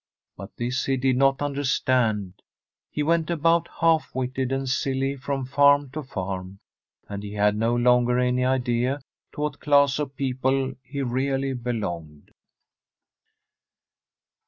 But this he did not understand; he went about half witted and silly from farm to farm, and he had no longer any idea to what class of people he really belonged.